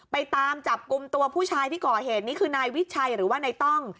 ไปตามจับกลุ่มตัวผู้ชายที่ก่อเหตุนี้คือนายวิชัยหรือว่านายต้อง